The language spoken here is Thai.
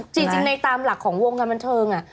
จริงในตามหลักของวงการบันเทิง